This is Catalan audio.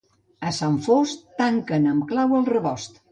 A Sant Fost, tanquen amb clau el rebost.